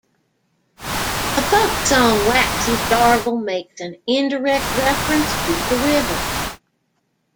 The folk song Waxies' Dargle makes an indirect reference to the river.